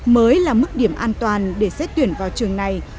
mới là mức điểm an toàn để xét tuyển vào trường này